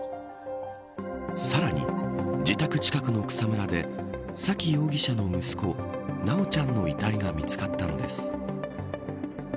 さらに自宅近くの草むらで沙喜容疑者の息子修ちゃんの遺体が見つかったのです。